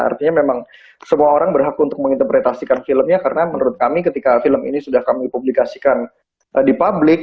artinya memang semua orang berhak untuk menginterpretasikan filmnya karena menurut kami ketika film ini sudah kami publikasikan di publik